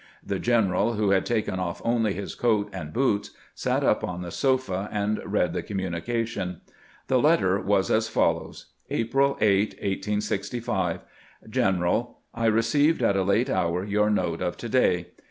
The general, who had taken off only his coat and boots, sat up on the sofa and read the communication. The letter was as follows : April 8, 1865. GrENERAL : I received at a late hour your note of to day.